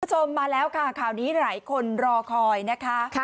คุณผู้ชมมาแล้วค่ะข่าวนี้หลายคนรอคอยนะคะ